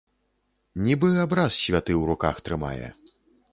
Нібы абраз святы ў руках трымае!